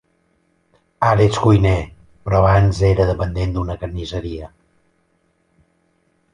Ara ets cuiner, però abans era dependent d'una carnisseria.